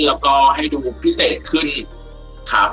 แล้วก็ให้ดูพิเศษขึ้นครับ